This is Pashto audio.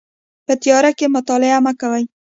په تیاره کې مطالعه مه کوئ